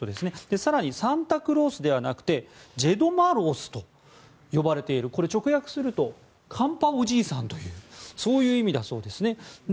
更にサンタクロースではなくてジェドマロースと呼ばれている直訳すると、寒波おじいさんという意味だそうです。